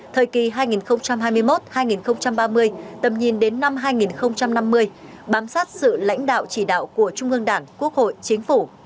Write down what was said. thời kỳ hai nghìn hai mươi một hai nghìn ba mươi tầm nhìn đến năm hai nghìn năm mươi bám sát sự lãnh đạo chỉ đạo của trung ương đảng quốc hội chính phủ